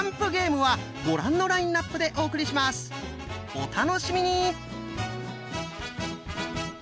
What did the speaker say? お楽しみに！